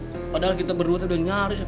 padahal kita berdua tuh udah nyaris